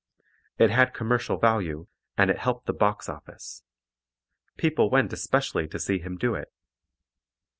It had commercial value and it helped the box office. People went especially to see him do it.